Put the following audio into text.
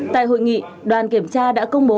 tại hội nghị đoàn kiểm tra đã công bố